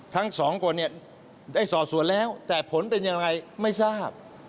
ทั้งสองคนเนี่ยได้สอบส่วนแล้วแต่ผลเป็นยังไงไม่ทราบ